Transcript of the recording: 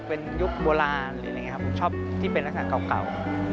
เป็นยุคโบราณชอบที่เป็นรักษาเก่า